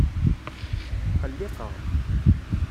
Tqelliqeɣ.